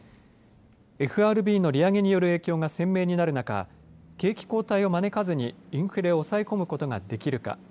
ＦＲＢの利上げによる影響が鮮明になる中景気後退を招かずにインフレを抑え込むことができるか。